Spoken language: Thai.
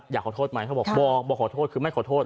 อยากขอโทษไหมเขาบอกบอกขอโทษคือไม่ขอโทษ